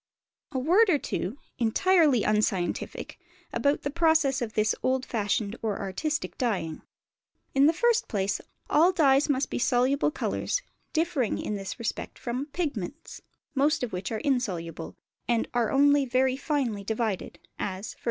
A word or two (entirely unscientific) about the processes of this old fashioned or artistic dyeing. In the first place, all dyes must be soluble colours, differing in this respect from pigments; most of which are insoluble, and are only very finely divided, as, _e.